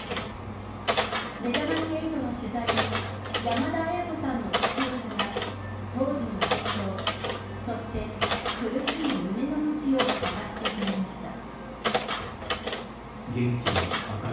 めざまし８の取材に山田絢子さんの父親が当時の状況そして、苦しい胸の内を明かしてくれました。